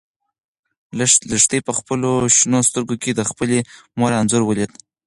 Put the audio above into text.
لښتې په خپلو شنه سترګو کې د خپلې مور انځور ولید.